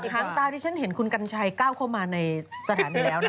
หางตาที่ฉันเห็นคุณกัญชัยก้าวเข้ามาในสถานีแล้วนะคะ